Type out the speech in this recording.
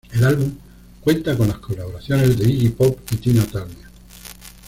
El álbum cuenta con las colaboraciones de Iggy Pop y Tina Turner.